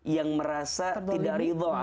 yang merasa tidak ridha